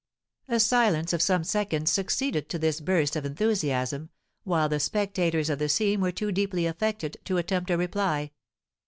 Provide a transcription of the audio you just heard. A silence of some seconds succeeded to this burst of enthusiasm, while the spectators of the scene were too deeply affected to attempt a reply.